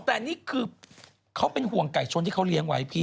แต่นี่คือเขาเป็นห่วงไก่ชนที่เขาเลี้ยงไว้พี่